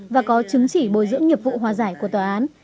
và có chứng chỉ bồi dưỡng nghiệp vụ hòa giải của tòa án